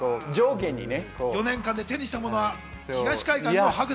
４年間で手にしたのは東海岸のハグ。